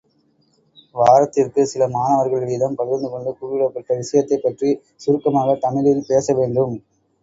வாரத்திற்குச் சில மாணவர்கள் வீதம் பகிர்ந்துகொண்டு குறிப்பிடப்பட்ட விசயத்தைப்பற்றிச் சுருக்கமாகத் தமிழில் பேசவேண்டும்.